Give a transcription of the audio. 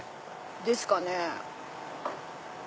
ですかね。